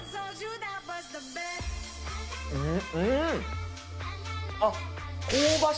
うん！